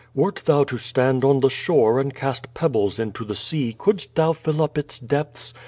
Wert thou to stand on the shore and cast pebbles into the sea couldst thou fill up its depths?